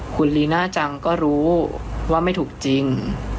คุณลีน่าจังก็รู้ว่าไม่ถูกจริง